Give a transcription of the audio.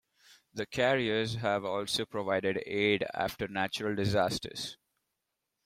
The carriers have also provided aid after natural disasters.